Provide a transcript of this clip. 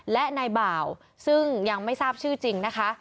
และนายบ่าวซึ่งยังไม่ทราบชื่อจริงนะคะ